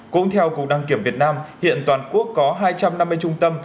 cũng theo cục đăng kiểm việt nam hiện toàn quốc có hai trăm năm mươi trung tâm